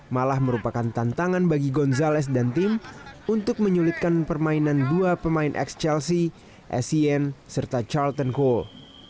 malah merupakan tantangan bagi gonzales dan tim untuk menyulitkan permainan dua pemain ex chelsea essien serta charlton cole